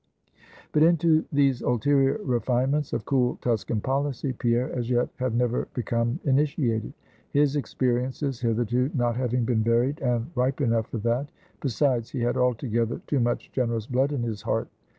But into these ulterior refinements of cool Tuscan policy, Pierre as yet had never become initiated; his experiences hitherto not having been varied and ripe enough for that; besides, he had altogether too much generous blood in his heart.